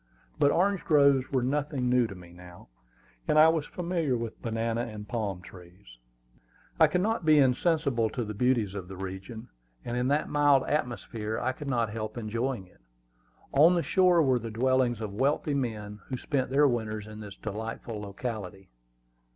But orange groves were nothing new to me now, and I was familiar with banana and palm trees. I could not be insensible to the beauties of the region, and in that mild atmosphere I could not help enjoying it. On the shore were the dwellings of wealthy men who spent their winters in this delightful locality.